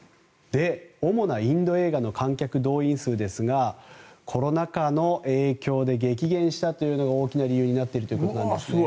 主なインド映画の観客動員数ですがコロナ禍の影響で激減したというのが大きな理由になっているということなんですね。